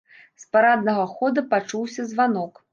З параднага хода пачуўся званок.